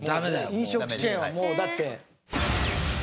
飲食チェーンはもうだって。